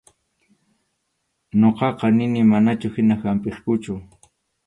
Ñuqaqa nini manachu hina hampiqkuchu.